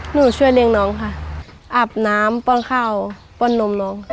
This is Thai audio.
ช่วยเลี้ยงน้องค่ะอาบน้ำป้อนข้าวป้อนนมน้อง